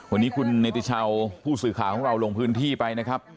วันนี้คุณเนติชาวผู้สื่อข่าวของเราลงพื้นที่ไปนะครับ